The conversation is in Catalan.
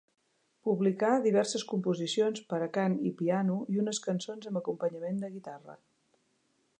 Publicà diverses composicions per a cant i piano i unes cançons amb acompanyament de guitarra.